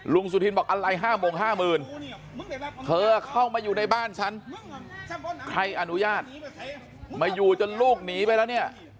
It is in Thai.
สุธินบอกอะไร๕โมง๕๐๐๐เธอเข้ามาอยู่ในบ้านฉันใครอนุญาตมาอยู่จนลูกหนีไปแล้วเนี่ย